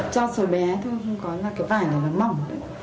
cho sổ bé thôi không có là cái vải này nó mỏng